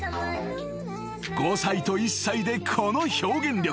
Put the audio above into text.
［５歳と１歳でこの表現力］